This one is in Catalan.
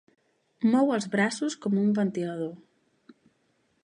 Mou els braços com un ventilador.